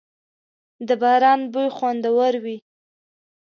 • د باران بوی خوندور وي.